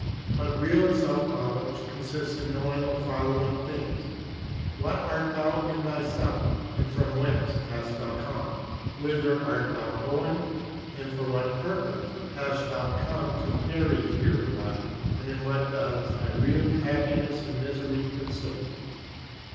But real self knowledge consists in knowing the following things: What art thou in thyself, [1. Traditional saying of Muhammad.] {p. 20} and from whence hast thou come? Whither art thou going, and for what purpose hast thou come to tarry here awhile, and in what does thy real happiness and misery consist?